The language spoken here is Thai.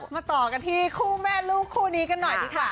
มาต่อกันที่คู่แม่ลูกคู่นี้กันหน่อยดีกว่า